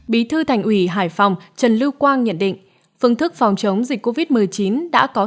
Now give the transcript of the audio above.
bí thư thành ủy hải phòng trần lưu quang nhận định phương thức phòng chống dịch covid một mươi chín đã có